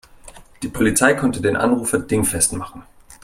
Die Polizei konnte den Anrufer dingfest machen.